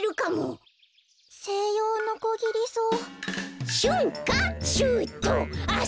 「はなさけセイヨウノコギリソウ」